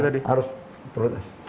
pemerataan harus prioritas